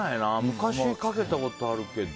昔かけたことあるけど。